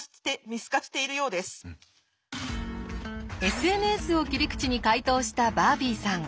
ＳＮＳを切り口に解答したバービーさん。